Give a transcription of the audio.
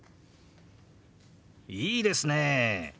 いいですね！